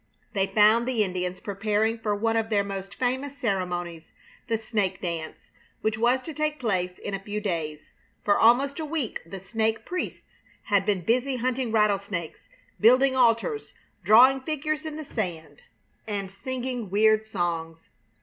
They found the Indians preparing for one of their most famous ceremonies, the snake dance, which was to take place in a few days. For almost a week the snake priests had been busy hunting rattlesnakes, building altars, drawing figures in the sand, and singing weird songs.